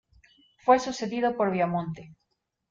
Fue sucedido por Viamonte.